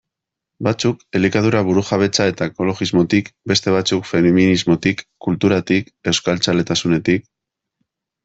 Batzuk elikadura burujabetza eta ekologismotik, beste batzuk feminismotik, kulturatik, euskaltzaletasunetik...